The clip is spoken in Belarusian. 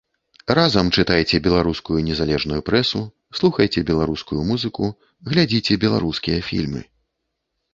Разам чытайце беларускую незалежную прэсу, слухайце беларускую музыку, глядзіце беларускія фільмы.